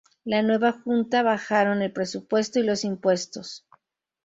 La nueva junta bajaron el presupuesto y los impuestos.